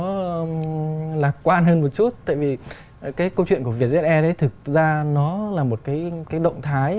nó lạc quan hơn một chút tại vì cái câu chuyện của vietjet air đấy thực ra nó là một cái động thái